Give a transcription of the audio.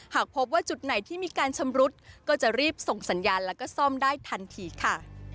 หากพบว่าจุดไหนที่มีการชำรุดก็จะรีบส่งสัญญาณแล้วก็ซ่อมได้ทันทีค่ะ